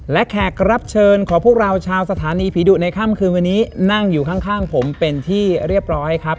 และแขกรับเชิญของพวกเราชาวสถานีผีดุในค่ำคืนวันนี้นั่งอยู่ข้างผมเป็นที่เรียบร้อยครับ